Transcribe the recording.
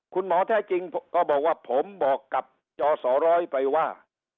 คุณหมอแท้จริงก็บอกว่าผมบอกกับจอสอร้อยไปว่า